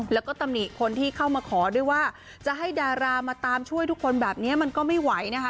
แล้วก็ตำหนิคนที่เข้ามาขอด้วยว่าจะให้ดารามาตามช่วยทุกคนแบบนี้มันก็ไม่ไหวนะคะ